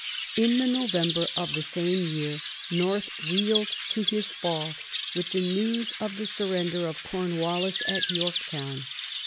In the November of the same year North reeled to his fall with the news of the surrender of Cornwallis at Yorktown.